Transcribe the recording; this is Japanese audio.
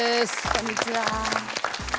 こんにちは。